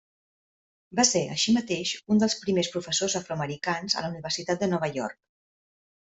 Va ser, així mateix, un dels primers professors afroamericans a la Universitat de Nova York.